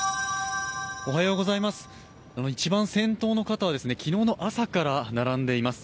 一番先頭の方は昨日の朝から並んでいます。